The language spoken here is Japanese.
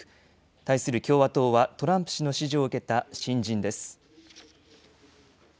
対する共和党はトランプ氏の支持を受けた新人です。